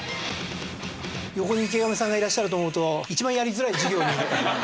横に池上さんがいらっしゃると思うと一番やりづらい授業に。